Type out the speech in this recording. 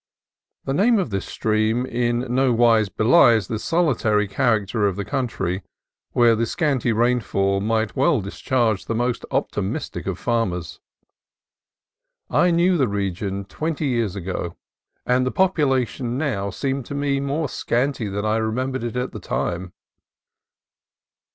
The name of this stream in no wise belies the solitary character of the country, where the scanty rainfall might well discourage the most optimistic of farmers. I knew the region twenty THE ETERNAL FEMININE 45 years ago, and the population now seemed to me more scanty than I remembered it at that time.